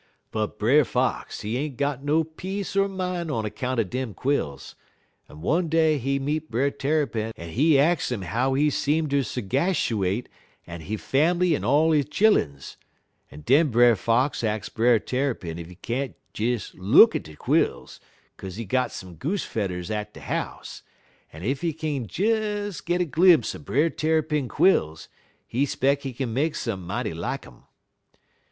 _' "But Brer Fox, he ain't got no peace er min' on account er dem quills, en one day he meet Brer Tarrypin en he ax 'im how he seem ter segashuate en he fambly en all he chilluns; en den Brer Fox ax Brer Tarrypin ef he can't des look at de quills, kaze he got some goose fedders at he house, en if he kin des get a glimpse er Brer Tarrypin quills, he 'speck he kin make some mighty like um.